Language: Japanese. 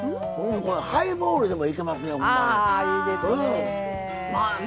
ハイボールでもいけますね。